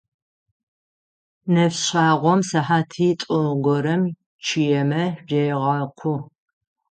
Нэфшъагъом сыхьатитӏу горэм чъыемэ регъэкъу.